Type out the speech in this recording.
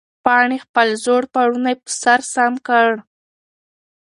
پاڼې خپل زوړ پړونی په سر سم کړ.